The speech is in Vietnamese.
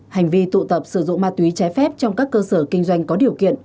hành vi tụ tập sử dụng ma túy trái phép trong các cơ sở kinh doanh có điều kiện